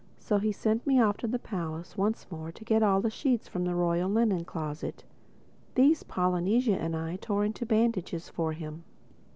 So he sent me off to the palace once more to get all the sheets from the Royal Linen closet. These Polynesia and I tore into bandages for him.